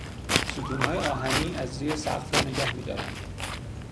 ستونهای آهنی از زیر سقف را نگه میدارند.